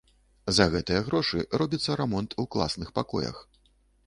За гэтыя грошы робіцца рамонт у класных пакоях.